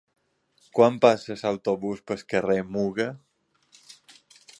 Quan passa l'autobús pel carrer Muga?